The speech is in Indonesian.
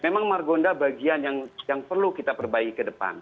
memang margonda bagian yang perlu kita perbaiki ke depan